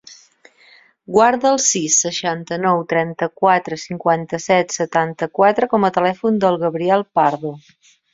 Guarda el sis, seixanta-nou, trenta-quatre, cinquanta-set, setanta-quatre com a telèfon del Gabriel Pardo.